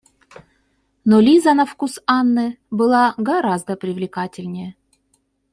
Но Лиза на вкус Анны была гораздо привлекательнее.